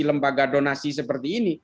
lembaga donasi seperti ini